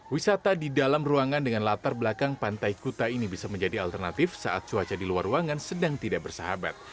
wisata di dalam ruangan dengan latar belakang pantai kuta ini bisa menjadi alternatif saat cuaca di luar ruangan sedang tidak bersahabat